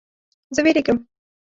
زه ویریږم